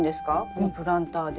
このプランターで。